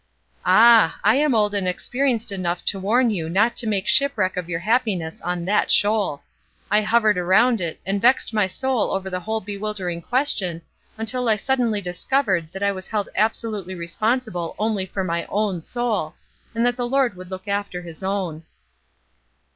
"Ah! I am old and experienced enough to warn you not to make shipwreck of your happiness on that shoal. I hovered around it, and vexed my soul over the whole bewildering question until I suddenly discovered that I was held absolutely responsible only for my own soul, and that the Lord would look after his own."